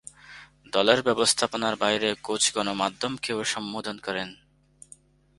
দলের ব্যবস্থাপনার বাইরে কোচ গণমাধ্যমকেও সম্বোধন করেন।